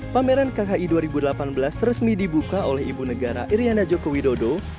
pameran kki dua ribu delapan belas resmi dibuka oleh ibu negara iryana joko widodo